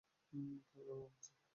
কেন এমন হচ্ছে?